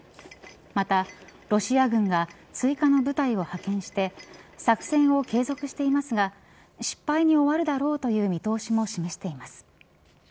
また、ロシア軍が追加の部隊を派遣して作戦を継続していますが失敗に終わるだろうという見通しも示しています。